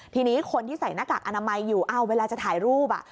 ทีนี้คนที่ใส่หน้ากากอนามัยอยู่เวลาจะถ่ายรูป